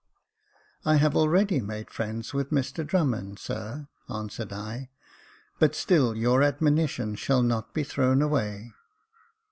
" I have already made friends with Mr Drummond, sir," answered I; "but still your admonition shall not be thrown away."